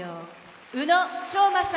宇野昌磨さん！